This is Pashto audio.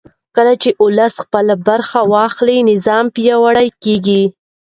کله چې ولس خپله برخه واخلي نظام پیاوړی کېږي